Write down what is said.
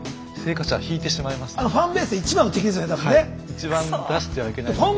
一番出してはいけないところです。